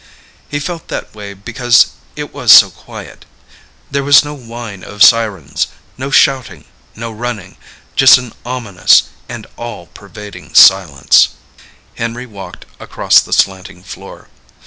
He felt that way because it was so quiet. There was no whine of sirens, no shouting, no running, just an ominous and all pervading silence. Henry walked across the slanting floor.